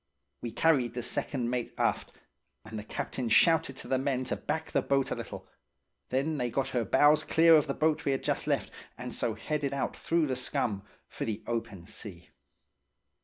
We carried the second mate aft, and the captain shouted to the men to back the boat a little; then they got her bows clear of the boat we had just left, and so headed out through the scum for the open sea.